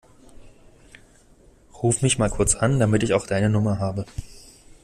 Ruf mich mal kurz an, damit ich auch deine Nummer habe.